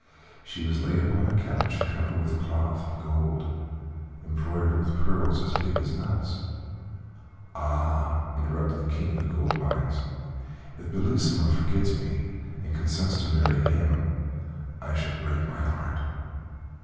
She was laid upon a couch covered with cloth of gold, embroidered with pearls as big as nuts." "Ah!" interrupted the King of the Gold Mines, "if Bellissima forgets me, and consents to marry him, I shall break my heart."